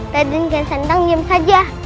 raden kian santang diam saja